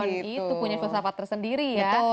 itu punya filsafat tersendiri ya